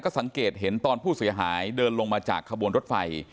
สังเกตเห็นตอนผู้เสียหายเดินลงมาจากขบวนรถไฟ